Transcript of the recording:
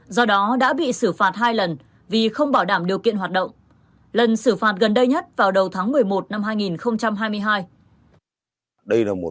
do đó đã bị xử phạt hai lần vì không bảo đảm điều kiện hoạt động lần xử phạt gần đây nhất vào đầu tháng một mươi một năm hai nghìn hai mươi hai